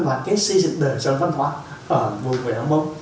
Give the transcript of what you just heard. và cái xây dựng đời dân văn hóa ở bồ quỳ đông mông